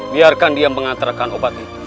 biarkan dia mengantarkan obat itu